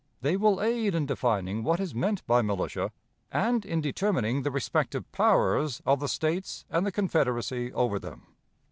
They will aid in defining what is meant by 'militia,' and in determining the respective powers of the States and the Confederacy over them.